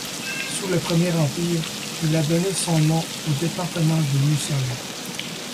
Sous le Premier Empire, il a donné son nom au département du Musone.